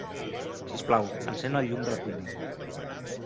Sisplau, encén el llum de la cuina.